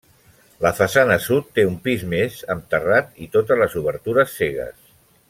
La façana sud té un pis més amb terrat i totes les obertures cegues.